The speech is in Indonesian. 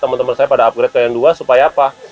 temen temen saya pada upgrade ke avata dua supaya apa